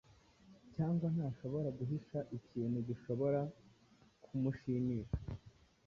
cyangwa ntashobora guhisha ikintu gishobora kumushimisha